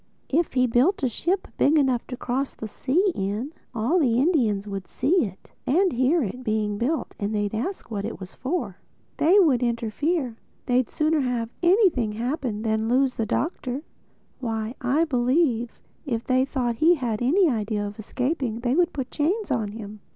If he built a ship big enough to cross the sea in, all the Indians would see it, and hear it, being built; and they'd ask what it was for. They would interfere. They'd sooner have anything happen than lose the Doctor. Why, I believe if they thought he had any idea of escaping they would put chains on him."